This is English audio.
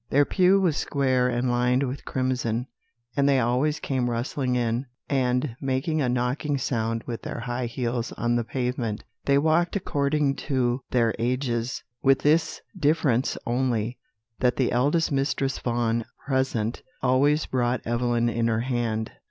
Their pew was square and lined with crimson, and they always came rustling in, and making a knocking sound with their high heels on the pavement; they walked according to their ages, with this difference only, that the eldest Mistress Vaughan present always brought Evelyn in her hand.